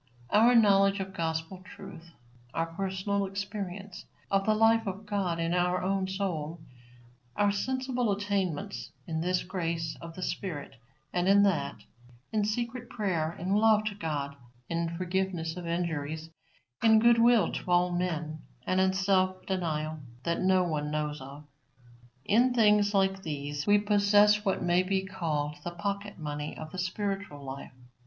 Our knowledge of gospel truth; our personal experience of the life of God in our own soul; our sensible attainments in this grace of the Spirit and in that; in secret prayer, in love to God, in forgiveness of injuries, in goodwill to all men, and in self denial that no one knows of, in things like these we possess what may be called the pocket money of the spiritual life.